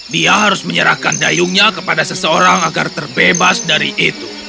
dia harus menyerahkan dayungnya kepada seseorang agar terbebas dari itu